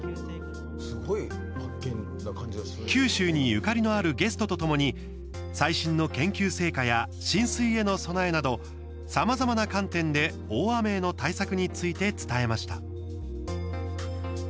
九州にゆかりのあるゲストとともに、最新の研究成果や浸水への備えなどさまざまな観点で大雨への対策について伝えました。